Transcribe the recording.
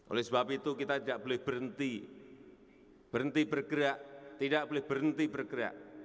oleh sebab itu kita tidak boleh berhenti berhenti bergerak tidak boleh berhenti bergerak